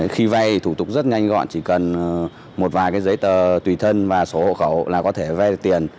khi vai thủ tục rất nhanh gọn chỉ cần một vài giấy tờ tùy thân và số hộ khẩu là có thể vai tiền